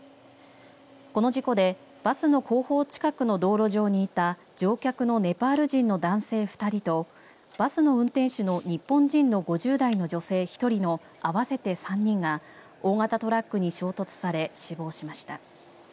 この事故でバスの後方近くの道路上にいた乗客のネパール人の男性２人とバスの運転手の日本人の５０代の女性１人の合わせて３人が大型トラックに衝突され死亡しました。